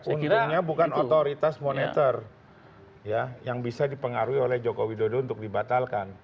untungnya bukan otoritas moneter yang bisa dipengaruhi oleh joko widodo untuk dibatalkan